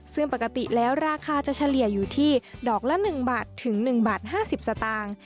ซึ่งปกติแล้วราคาจะเฉลี่ยอยู่ที่ดอกละ๑บาทถึง๑บาท๕๐สตางค์